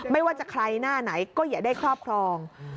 ไม่ว่าจะใครหน้าไหนก็อย่าได้ครอบครอง